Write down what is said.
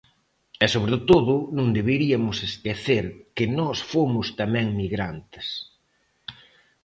E, sobre todo, non deberiamos esquecer que nós fomos tamén migrantes.